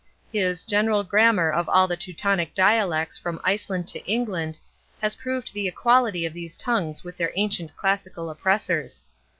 His General Grammar of all the Teutonic Dialects from Iceland to England has proved the equality of these tongues with their ancient classical oppressors.